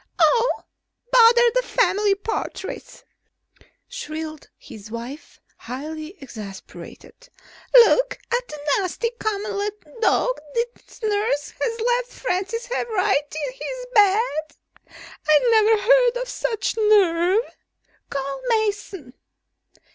"Oh, bother the family portraits!" shrilled his wife, highly exasperated. "Look at the nasty common dog this nurse has let Francis have right in his bed! I never heard of such nerve! Call Mason!